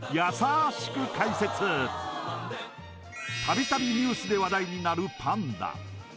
度々ニュースで話題になるパンダ